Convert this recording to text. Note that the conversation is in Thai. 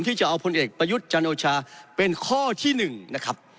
ที่จะเอาผลเอกประยุทธ์จันทร์โอชาเป็นข้อที่หนึ่งนะครับ